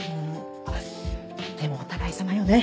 ⁉あっでもお互いさまよね